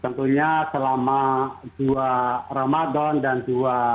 tentunya selama dua ramadan dan dua